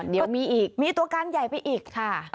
เดี๋ยวมีอีกมีตัวการใหญ่ไปอีกค่ะ